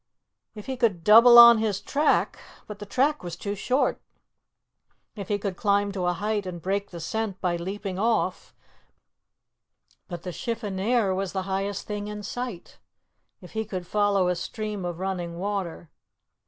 If he could double on his track, but the track was too short. If he could climb to a height and break the scent by leaping off, but the chiffonier was the highest thing in sight. If he could follow a stream of running water.